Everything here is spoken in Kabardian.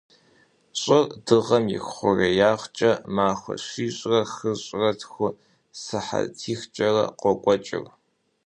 Щӏыр Дыгъэм и хъуреягъкӏэ махуэ щищрэ хыщӏрэ тхурэ сыхьэтихрэкӏэ къокӏуэкӏыр.